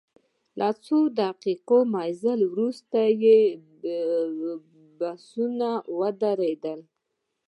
له څو دقیقو مزل وروسته بسونه ودرېدل.